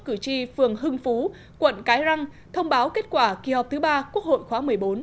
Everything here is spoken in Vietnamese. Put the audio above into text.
khu vực vườn hưng phú quận cái răng thông báo kết quả kỳ họp thứ ba quốc hội khóa một mươi bốn